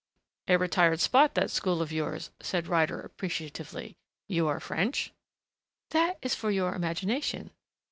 "A retired spot, that school of yours," said Ryder appreciatively. "You are French?" "That is for your imagination!"